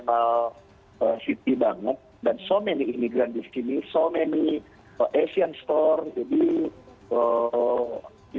karena saya di chicago yang memang betul betul international city banget